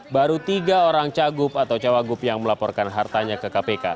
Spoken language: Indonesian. baru tiga orang cagup atau cawagup yang melaporkan hartanya ke kpk